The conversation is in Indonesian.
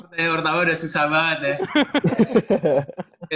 pertanyaan pertama udah susah banget ya